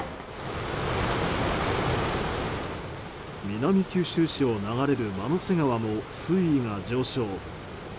南九州市を流れる万之瀬川も水位が上昇。